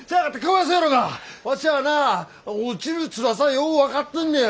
ワシはな落ちるつらさよう分かってんねや！